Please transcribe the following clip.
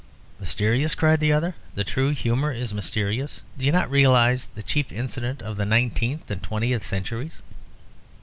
"Mysterious!" cried the other. "The true humour is mysterious. Do you not realise the chief incident of the nineteenth and twentieth centuries?"